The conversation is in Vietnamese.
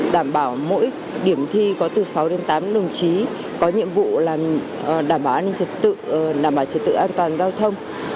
đảm bảo mỗi điểm thi có từ sáu đến tám đồng chí có nhiệm vụ đảm bảo an ninh trật tự đảm bảo trật tự an toàn giao thông